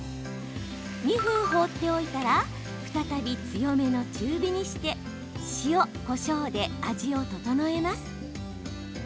２分放っておいたら再び強めの中火にして塩、こしょうで味を調えます。